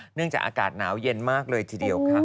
เนื่องจากอากาศหนาวเย็นมากเลยทีเดียวค่ะ